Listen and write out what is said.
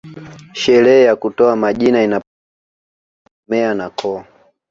Sherehe ya kutoa majina inapofanyika hutegemea na koo